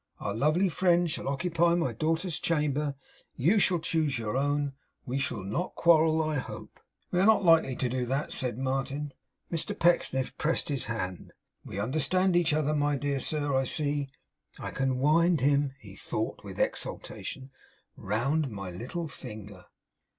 Our lovely friend shall occupy my daughter's chamber; you shall choose your own; we shall not quarrel, I hope!' 'We are not likely to do that,' said Martin. Mr Pecksniff pressed his hand. 'We understand each other, my dear sir, I see! I can wind him,' he thought, with exultation, 'round my little finger.